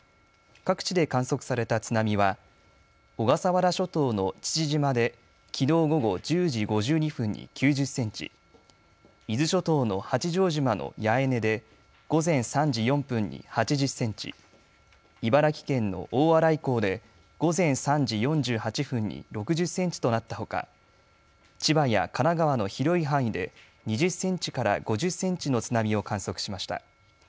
各地で観測された津波は小笠原諸島の父島できのう午後１０時５２分に９０センチ、伊豆諸島の八丈島の八重根で午前３時４分に８０センチ、茨城県の大洗港で午前３時４８分に６０センチとなったほか千葉や神奈川の広い範囲で２０センチから５０センチの津波を観測しました。